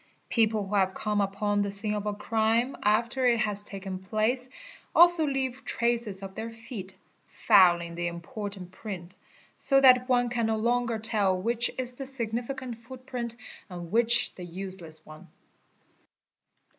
People who » have come upon the scene of a crime after it has taken place also leave traces of their feet, fouling the important print, so that one can no longer tell which is the significant footprint and which the useless one.